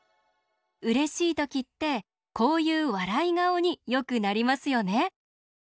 うれしいときってこういうわらいがおによくなりますよね。